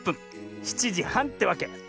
７じはんってわけ。